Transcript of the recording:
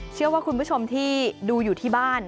เชื่อว่าคุณผู้ชมที่ดูอยู่ที่บ้าน